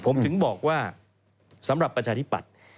ผมถึงบอกว่าสำหรับประชาธิปัตย์